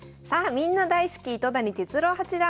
みんな大好き糸谷哲郎八段です。